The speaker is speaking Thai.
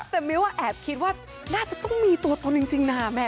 แต่มิ้วแอบคิดว่าน่าจะต้องมีตัวตนจริงนะแม่